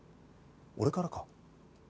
俺からか？